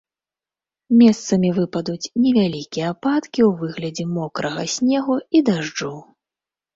Месцамі выпадуць невялікія ападкі ў выглядзе мокрага снегу і дажджу.